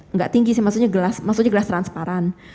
enggak tinggi sih maksudnya gelas transparan